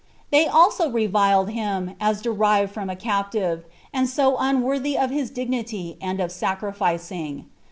They also reviled him, as derived from a captive, and so unworthy of his dignity and of sacrificing.